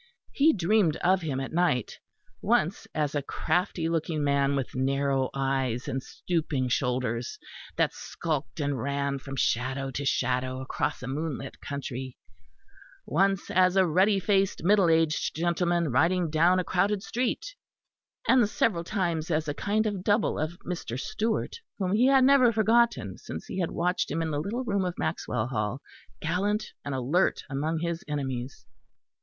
He dreamed of him at night, once as a crafty looking man with narrow eyes and stooping shoulders, that skulked and ran from shadow to shadow across a moonlit country; once as a ruddy faced middle aged gentleman riding down a crowded street; and several times as a kind of double of Mr. Stewart, whom he had never forgotten, since he had watched him in the little room of Maxwell Hall, gallant and alert among his enemies.